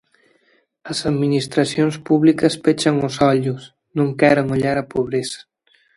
As administracións públicas pechan os ollos, non queren ollar a pobreza.